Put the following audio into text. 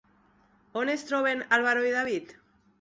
On es troben Álvaro i David?